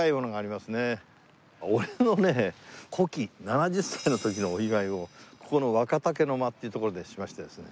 俺のね古希７０歳の時のお祝いをここの若竹の間っていう所でしましてですね。